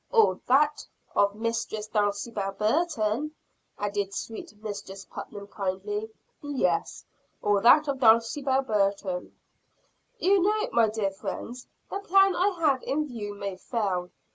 "Or that of Mistress Dulcibel Burton!" added sweet Mistress Putnam kindly. "Yes, or that of Dulcibel Burton." "You know, my dear friends, the plan I have in view may fail.